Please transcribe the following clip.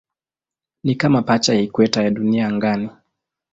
Ni kama pacha ya ikweta ya Dunia angani.